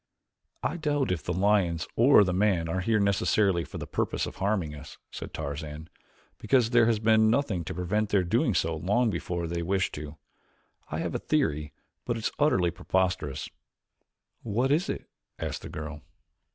"I doubt if the lions or the man are here necessarily for the purpose of harming us," said Tarzan, "because there has been nothing to prevent their doing so long before had they wished to. I have a theory, but it is utterly preposterous." "What is it?" asked the girl.